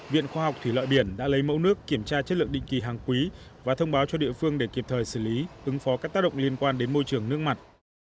viện khoa học thủy lợi biển đã lấy mẫu nước kiểm tra chất lượng định kỳ hàng quý và thông báo cho địa phương để kịp thời xử lý ứng phó các tác động liên quan đến môi trường nước mặt